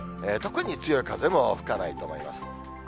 特に強い風も吹かないと思います。